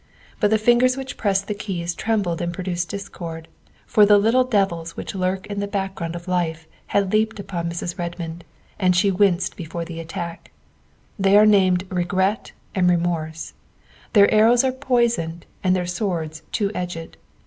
But the fingers which pressed the" keys trembled and produced discord, for the little devils which lurk in the background of life had leaped upon Mrs. Redmond, and she winced before the attack; they are named Regret and Remorse; their arrows are poisoned and their swords two edged.